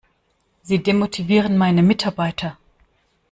Sie demotivieren meine Mitarbeiter!